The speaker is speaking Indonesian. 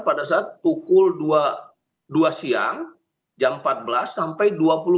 pada saat pukul dua siang jam empat belas sampai dua puluh